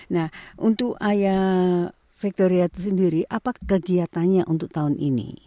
nah untuk ayah victoria itu sendiri apa kegiatannya untuk tahun ini